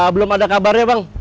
belum ada kabarnya bang